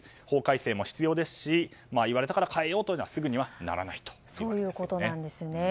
法改正も必要ですしいわれたから変えようとはすぐにはならないということです。